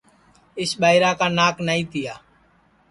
اِس ٻائیرا کا ناک نائی تیا